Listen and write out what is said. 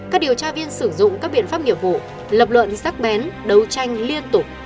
các điều tra viên sử dụng các biện pháp nghiệp vụ lập luận sắc bén đấu tranh liên tục